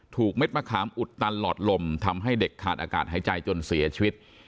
เม็ดมะขามอุดตันหลอดลมทำให้เด็กขาดอากาศหายใจจนเสียชีวิต